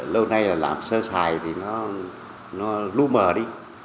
lâu nay là làm sơ xài thì nó lưu mờ đi